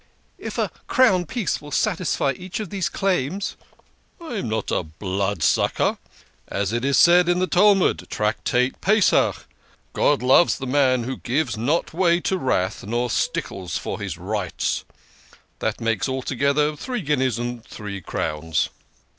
" If a crown piece will satisfy each of these claims "" I am not a blood sucker as it is said in the Talmud, Tractate Passover, ' God loves the man who gives not way to wrath nor stickles for his rights ' that makes altogether three guineas and three crowns."